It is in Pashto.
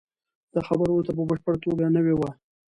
دا خبره ورته په بشپړه توګه نوې وه.